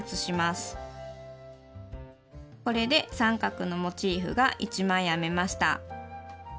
これで三角のモチーフが１枚編めました。